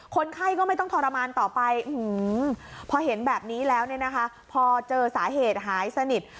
คนไข้ก็ไม่ต้องทรมานต่อไปพอเห็นแบบนี้แล้วเนี่ยนะคะพอเจอสาเหตุหายสนิท